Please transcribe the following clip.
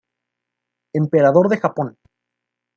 Emperador de Japón.